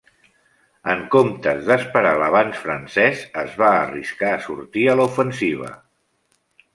En comptes d'esperar l'avanç francès, es va arriscar a sortir a l'ofensiva.